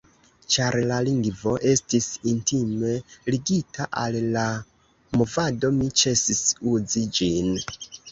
Ĉar la lingvo estis intime ligita al la movado, mi ĉesis uzi ĝin.